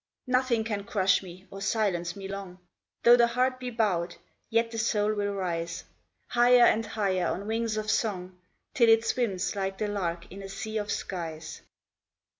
Nothing can crush me, or silence me long, Though the heart be bowed, yet the soul will rise, Higher and higher on wings of song, Till it swims like the lark in a sea of skies.